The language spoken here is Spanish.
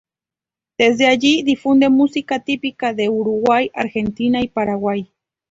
Desde allí difunde música típica de Uruguay, Argentina y Paraguay.